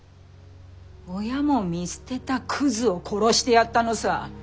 親も見捨てたクズを殺してやったのさ。